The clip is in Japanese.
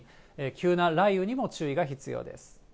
急な雷雨にも注意が必要です。